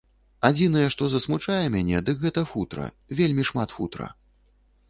Адзінае, што засмучае мяне, дык гэта футра, вельмі шмат футра.